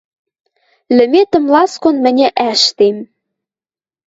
Лӹметӹм ласкон мӹньӹ ӓштем